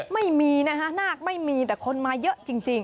ไม่มีนะคะนาคไม่มีแต่คนมาเยอะจริง